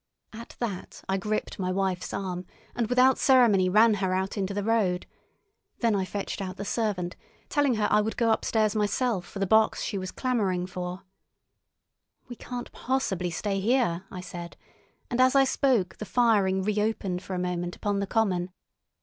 At that I gripped my wife's arm, and without ceremony ran her out into the road. Then I fetched out the servant, telling her I would go upstairs myself for the box she was clamouring for. "We can't possibly stay here," I said; and as I spoke the firing reopened for a moment upon the common.